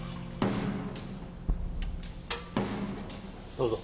どうぞ。